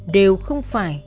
đều không phải